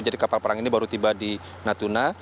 jadi kapal perang ini baru tiba di natuna